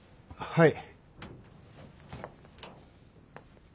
はい。